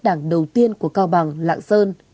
đảng đầu tiên của cao bằng lạng sơn